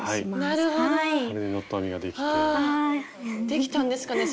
できたんですかね？